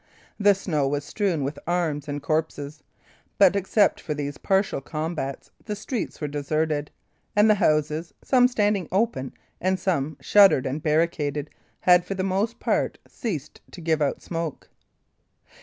The snow was strewn with arms and corpses; but except for these partial combats the streets were deserted, and the houses, some standing open, and some shuttered and barricaded, had for the most part ceased to give out smoke.